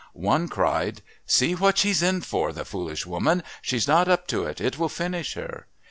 One cried: "See what she's in for, the foolish woman! She's not up to it. It will finish her."